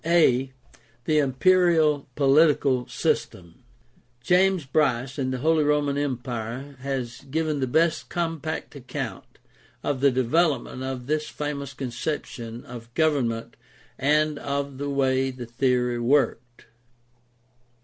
a) The imperial political system. — ^James Bryce in The Holy Roman Empire has given the best compact account of the development of this famous conception of government and of the way the theory worked.